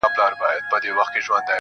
خدايه دا ټـپه مي په وجود كـي ده,